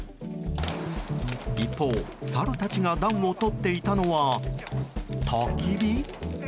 一方、サルたちが暖をとっていたのは、たき火？